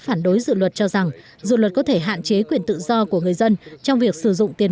phản đối dự luật cho rằng dự luật có thể hạn chế quyền tự do của người dân trong việc sử dụng tiền